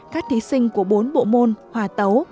các thí sinh của bốn bộ môn hòa tấu